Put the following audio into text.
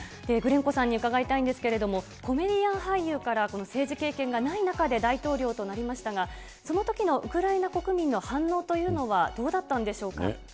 グレンコさんに伺いたいんですけれども、コメディアン俳優から、この政治経験がない中で大統領となりましたが、そのときのウクライナ国民の反応というのは、どうだったんでしょうか。